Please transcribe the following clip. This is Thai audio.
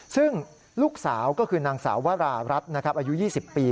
ซึ่งลูกสาวก็คือนางสาววรารัฐนะครับอายุ๒๐ปี